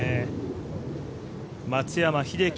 松山英樹